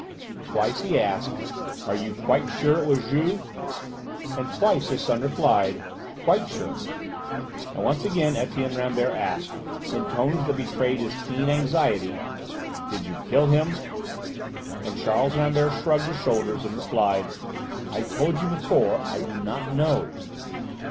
Twice he asked: "Are you quite sure it was Juve?" and twice his son replied "Quite sure." And once again Etienne Rambert asked, in tones that betrayed his keen anxiety: "Did you kill him?" and Charles Rambert shrugged his shoulders and replied: "I told you before, I do not know."